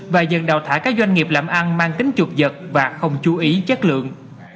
và dần đào thả các doanh nghiệp làm ăn mang kính chuột giật và không chú ý chất lượng